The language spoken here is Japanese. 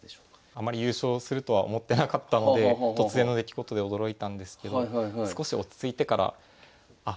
あまり優勝するとは思ってなかったので突然の出来事で驚いたんですけど少し落ち着いてからあ受けれるなと。